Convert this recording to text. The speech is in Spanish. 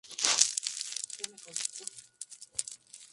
Se le rindió un homenaje en el Palacio de Bellas Artes.